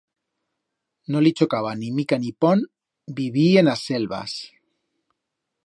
No li chocaba ni mica ni pont vivir en as selvas.